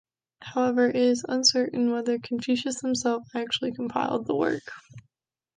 However, it is uncertain whether Confucius himself actually compiled the work.